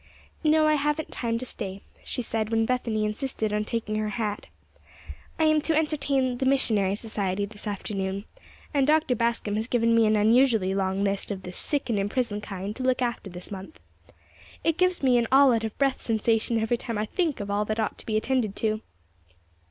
"No; I haven't time to stay," she said, when Bethany insisted on taking her hat. "I am to entertain the Missionary Society this afternoon, and Dr. Bascom has given me an unusually long list of the 'sick and in prison' kind to look after this month. It gives me an 'all out of breath' sensation every time I think of all that ought to be attended to."